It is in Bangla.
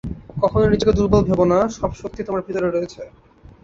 কখনও নিজেকে দুর্বল ভেব না, সব শক্তি তোমার ভিতর রয়েছে।